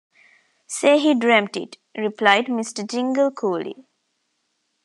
‘Say he dreamt it,’ replied Mr. Jingle coolly.